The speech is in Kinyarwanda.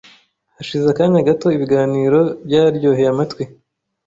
Hashize akanya gato ibiganiro byaryoheye amatwi